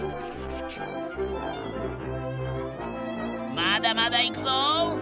まだまだいくぞ！